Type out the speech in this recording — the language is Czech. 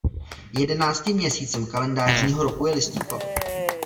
Jedenáctým měsícem kalendářního roku je listopad.